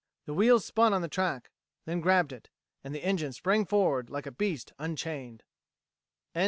The wheels spun on the track, then grabbed it, and the engine sprang forward like a beast unchained.